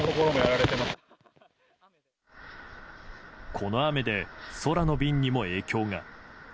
この雨で、空の便にも影響が。